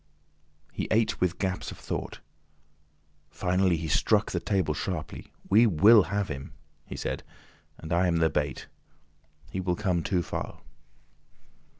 He ate with gaps of thought. Finally he struck the table sharply. "We will have him!" he said; "and I am the bait. He will come too far."